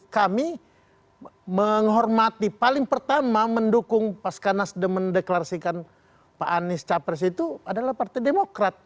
kami menghormati paling pertama mendukung pasca nasdem mendeklarasikan pak anies capres itu adalah partai demokrat